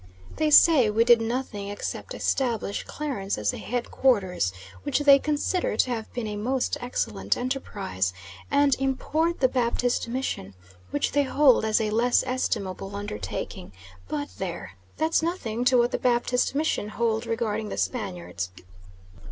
They say we did nothing except establish Clarence as a headquarters, which they consider to have been a most excellent enterprise, and import the Baptist Mission, which they hold as a less estimable undertaking; but there! that's nothing to what the Baptist Mission hold regarding the Spaniards.